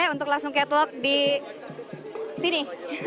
untuk langsung catwalk di sini